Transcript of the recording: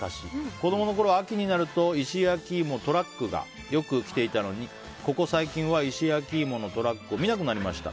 子供のころ、秋になると石焼き芋トラックがよく来ていたのにここ最近は石焼き芋のトラックを見なくなりました。